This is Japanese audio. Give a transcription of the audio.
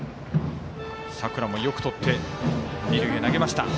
佐倉もよくとって二塁へ投げました。